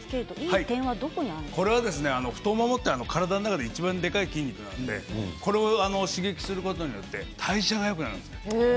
太ももは体の中でいちばんでかい筋肉なのでこれを刺激することによって代謝がよくなります。